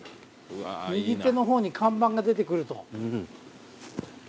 右手の方に看板が出てくると。